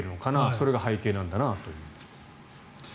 それが背景なんだなという。